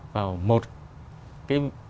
vào một cái